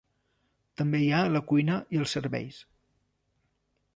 També hi ha la cuina i els serveis.